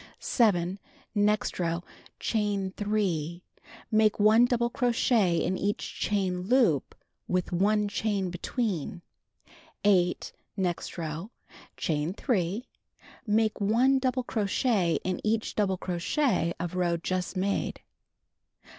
7. Next row: Chain 3. Make 1 double crochet in each[chain loop, with 1 chain between. 8. Next row: Chain 3. Make 1 double crochet in each double crochet of row just made.